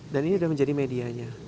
dan ini udah menjadi medianya